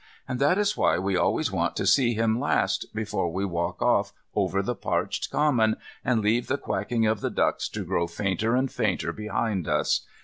And that is why we always want to see him last, before we walk off over the parched common, and leave the quacking of the ducks to grow fainter and fainter behind us.